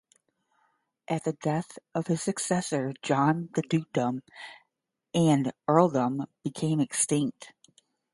At the death of his successor John, the dukedom and earldom became extinct.